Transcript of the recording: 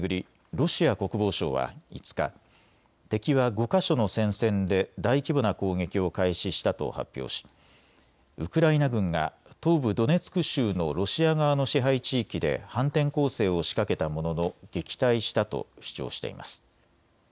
ロシア国防省は５日、敵は５か所の戦線で大規模な攻撃を開始したと発表しウクライナ軍が東部ドネツク州のロシア側の支配地域で反転攻勢を仕掛けたものの撃退したと主張しています。